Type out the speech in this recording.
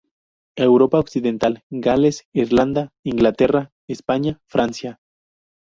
Europa occidental, Gales, Irlanda, Inglaterra, España, Francia.